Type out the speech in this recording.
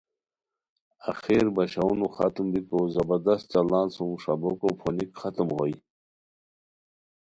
آخر باشونو ختم بیکو زبردست چڑان سُم ݰابوکو پھونیک ختم ہوئے